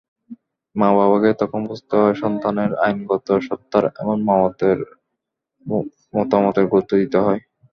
মা-বাবাকে তখন বুঝতে হয়, সন্তানের আইনগত সত্তার এবং মতামতের গুরুত্ব দিতে হয়।